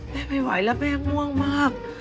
ไม่ไหวแล้วแม่ง่วงมาก